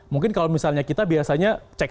mungkin kalau misalnya kita biasanya cek